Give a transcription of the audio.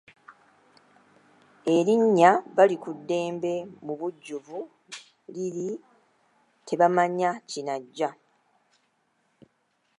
Erinnya Balikuddembe mu bujjuvu liri Tebamanya kinajja.